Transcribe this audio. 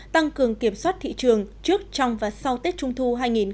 tăng cường kiểm soát thị trường trước trong và sau tết trung thu hai nghìn hai mươi